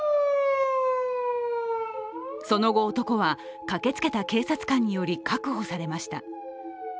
その後、男は駆けつけた警察官により確保されました。